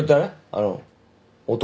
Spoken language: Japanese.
あの男？